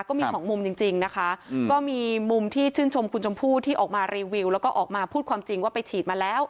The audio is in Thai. ก็มีสองมุมจริงนะคะก็มีมุมที่ชื่นชมคุณชมพู่ที่ออกมารีวิวแล้วก็ออกมาพูดความจริงว่าไปฉีดมาแล้ว